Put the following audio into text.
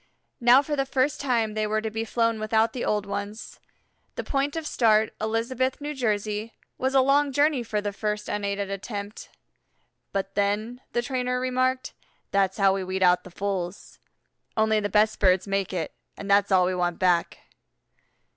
Now for the first time they were to be flown without the old ones. The point of start, Elizabeth, N. J., was a long journey for their first unaided attempt. "But then," the trainer remarked, "that's how we weed out the fools; only the best birds make it, and that's all we want back."